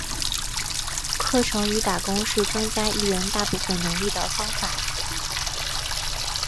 课程与打工是增加艺人大部分能力的方法。